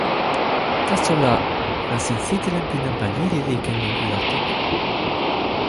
taso la, nasin sitelen pi nanpa lili li ken lon ilo toki.